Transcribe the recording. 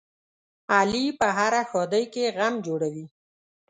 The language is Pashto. علي په هره ښادۍ کې غم جوړوي.